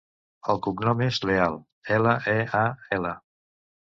El cognom és Leal: ela, e, a, ela.